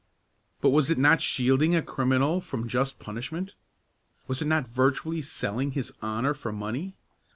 But was it not shielding a criminal from just punishment? Was it not virtually selling his honor for money?